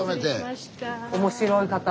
面白い方。